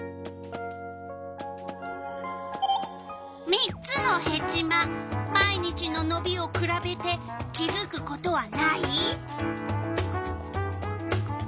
３つのヘチマ毎日ののびをくらべて気づくことはない？